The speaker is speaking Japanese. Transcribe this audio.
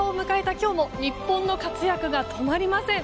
今日も日本の活躍が止まりません。